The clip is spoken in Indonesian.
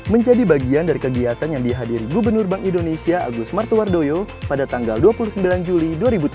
menjadi bagian dari kegiatan yang dihadiri gubernur bank indonesia agus martuardoyo pada tanggal dua puluh sembilan juli dua ribu tujuh belas